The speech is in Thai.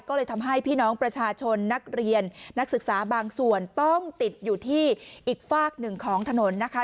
ก็เลยทำให้พี่น้องประชาชนนักเรียนนักศึกษาบางส่วนต้องติดอยู่ที่อีกฝากหนึ่งของถนนนะคะ